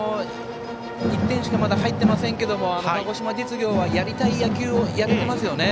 １点しかまだ入っていませんが鹿児島実業はやりたい野球をやれてますよね。